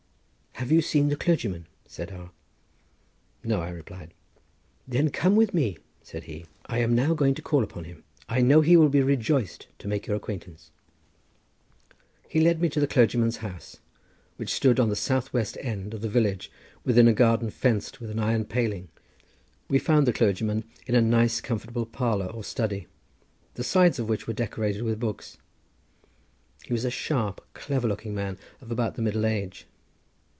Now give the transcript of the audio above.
"Have you seen the clergyman?" said R—. "No," I replied. "Then come with me," said he; "I am now going to call upon him. I know he will be rejoiced to make your acquaintance." He led me to the clergyman's house, which stood at the south west end of the village within a garden fenced with iron paling. We found the clergyman in a nice comfortable parlour, or study, the sides of which were decorated with books. He was a sharp, clever looking man, of about the middle age.